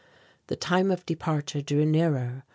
The time of departure drew nearer.